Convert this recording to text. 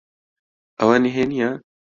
ئەوە نهێنییە؟